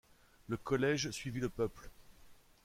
Le collège suivit le peuple.